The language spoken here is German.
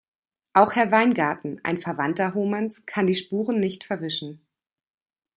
Auch Herr Weingarten, ein Verwandter Hohmanns, kann die Spuren nicht verwischen.